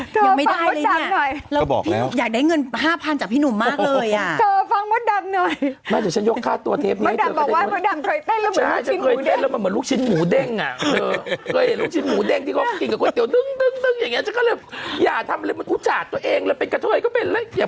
เธอฟังมดดำหน่อยยังไม่ได้เลยอ่ะแล้วพี่หนุ่มอยากได้เงิน๕๐๐๐จังพี่หนุ่มมากเลยอ่ะ